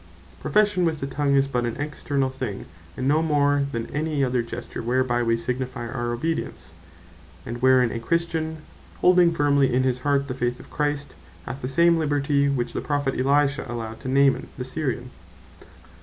Profession with the tongue is but an externall thing, and no more then any other gesture whereby we signifie our obedience; and wherein a Christian, holding firmely in his heart the Faith of Christ, hath the same liberty which the Prophet Elisha allowed to Naaman the Syrian.